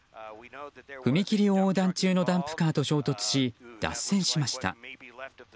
踏切を横断中のダンプカーと衝突し脱線しました。